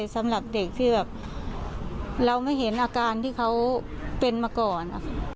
สำหรับเด็กที่แบบเราไม่เห็นอาการที่เขาเป็นมาก่อน